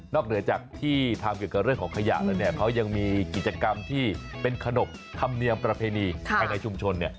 เหนือจากที่ทำเกี่ยวกับเรื่องของขยะแล้วเนี่ยเขายังมีกิจกรรมที่เป็นขนบธรรมเนียมประเพณีภายในชุมชน